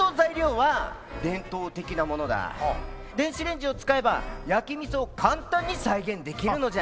電子レンジを使えば焼き味噌を簡単に再現できるのじゃ。